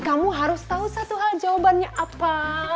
kamu harus tahu satu hal jawabannya apa